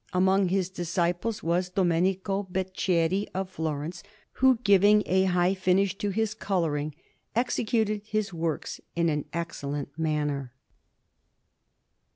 Among his disciples was Domenico Beceri of Florence, who, giving a high finish to his colouring, executed his works in an excellent manner.